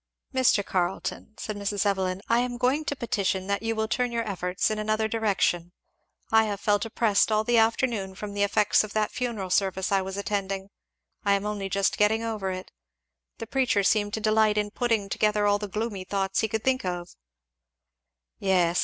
"Mr. Carleton," said Mrs. Evelyn, "I am going to petition that you will turn your efforts in another direction I have felt oppressed all the afternoon from the effects of that funeral service I was attending I am only just getting over it. The preacher seemed to delight in putting together all the gloomy thoughts he could think of." "Yes!"